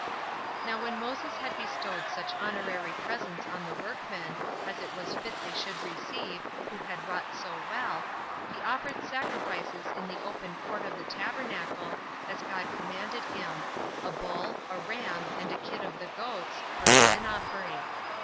6. Now when Moses had bestowed such honorary presents on the workmen, as it was fit they should receive, who had wrought so well, he offered sacrifices in the open court of the tabernacle, as God commanded him; a bull, a ram, and a kid of the goats, for a sin offering.